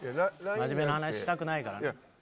真面目な話したくないから。